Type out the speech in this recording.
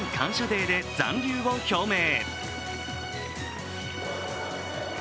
デーで残留を表明。